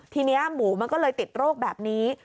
ทีนี้หมูมันก็เลยติดโรคแบบนี้